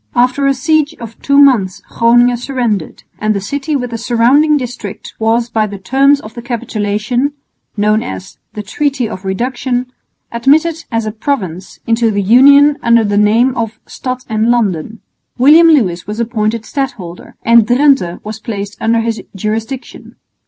After a siege of two months Groningen surrendered; and the city with the surrounding district was by the terms of the capitulation known as "The Treaty of Reduction" admitted as a province into the Union under the name of Stad en Landen. William Lewis was appointed stadholder, and Drente was placed under his jurisdiction.